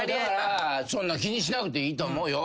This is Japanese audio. そんな気にしなくていいと思うよ。